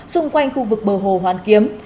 xung quanh khu vực bờ hồ hoàn kiếm